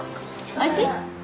おいしい。